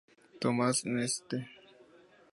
Thomas en St.